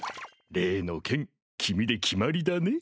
例の件君で決まりだね。